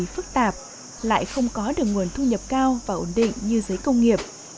phức tạp lại không có được nguồn thu nhập cao và ổn định như giấy công nghiệp